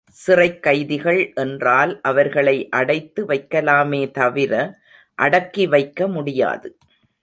சிறைக் கைதிகள் என்றால் அவர்களை அடைத்து வைக்கலாமே தவிர அடக்கி வைக்க முடியாது.